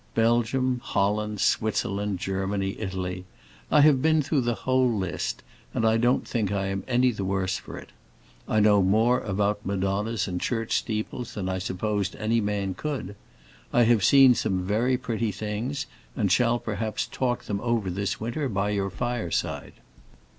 Belgium, Holland, Switzerland, Germany, Italy—I have been through the whole list, and I don't think I am any the worse for it. I know more about Madonnas and church steeples than I supposed any man could. I have seen some very pretty things, and shall perhaps talk them over this winter, by your fireside.